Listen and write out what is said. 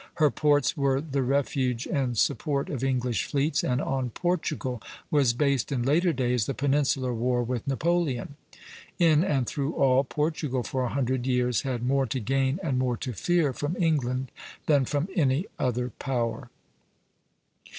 Her ports were the refuge and support of English fleets, and on Portugal was based in later days the Peninsular war with Napoleon. In and through all, Portugal, for a hundred years, had more to gain and more to fear from England than from any other power.